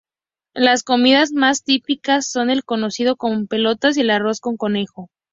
Las comidas más típicas son el cocido con pelotas y el arroz con conejo.